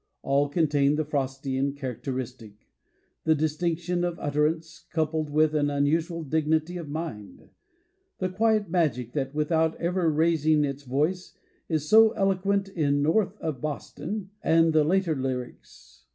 All contain the Frostian characteristic: the distinction of utterance coupled with an unusual dignity of mind; the quiet magic that, without ever rais ing its voice, is so eloquent in "North of Boston" and the later lyrics.